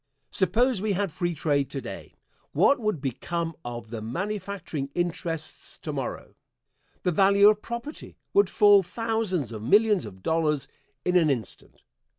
Suppose we had free trade to day, what would become of the manufacturing interests to morrow? The value of property would fall thousands of millions of dollars in an instant.